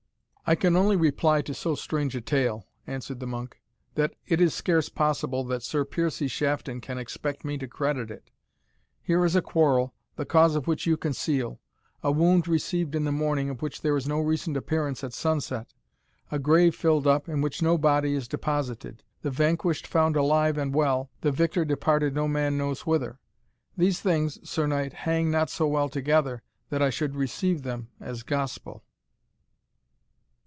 "I can only reply to so strange a tale," answered the monk, "that it is scarce possible that Sir Piercie Shafton can expect me to credit it. Here is a quarrel, the cause of which you conceal a wound received in the morning, of which there is no recent appearance at sunset, a grave filled up, in which no body is deposited the vanquished found alive and well the victor departed no man knows whither. These things, Sir Knight, hang not so well together, that I should receive them as gospel."